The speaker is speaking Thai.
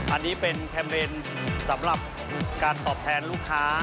อันนี้เป็นแคมเบนสำหรับการตอบแทนลูกค้า